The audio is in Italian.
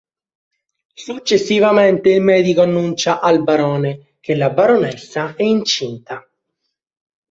Successivamente il medico annuncia al Barone che la Baronessa è incinta.